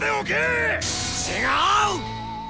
違う！